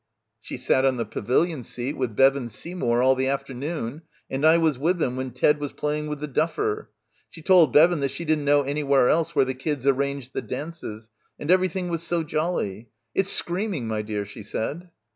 "She sat on the pavilion seat with Bevan Sey mour all the afternoon and I was with them when Ted was playing with the duffer. She told Bevan that she didn't know anywhere else where the kids arranged the dances, and everything was so jolly. It's screaming^ my dear, she said."